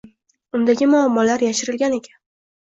Undagi muammolar yashirilgan ekan